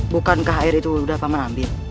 bukankah air itu sudah paman ambil